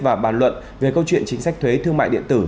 và bàn luận về câu chuyện chính sách thuế thương mại điện tử